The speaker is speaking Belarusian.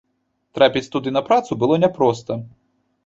Трапіць туды на працу было няпроста.